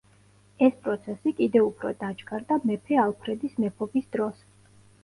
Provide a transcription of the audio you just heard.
ეს პროცესი კიდევ უფრო დაჩქარდა მეფე ალფრედის მეფობის დროს.